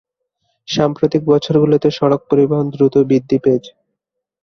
সাম্প্রতিক বছরগুলিতে সড়ক পরিবহন দ্রুত বৃদ্ধি পেয়েছে।